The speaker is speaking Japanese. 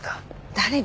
誰に？